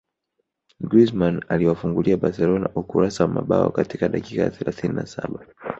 Griezmann aliwafungulia Barcelona ukurasa wa mabao katika dakika ya thelathini na saba